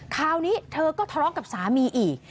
คราวนี้เธอก็ทะเลาะกับสามีอีก